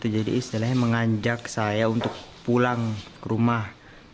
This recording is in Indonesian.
jadi istilahnya mengajak saya untuk pulang ke rumah